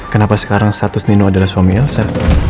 kenapa sekarang status nino adalah suami elsa